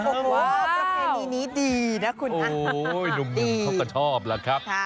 โอ้โหประเพณีนี้ดีนะคุณหนุ่มเขาก็ชอบล่ะครับ